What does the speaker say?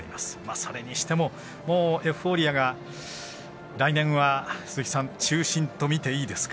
それにしてももうエフフォーリアが来年は、鈴木さん中心と見ていいですか？